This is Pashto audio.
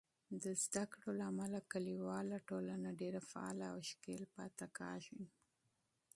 د تعلیم له امله، کلیواله ټولنه ډیر فعاله او ښکیل پاتې کېږي.